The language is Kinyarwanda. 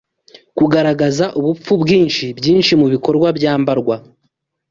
Kugaragaza ubupfu bwinshi, Byinshi mubikorwa byambarwa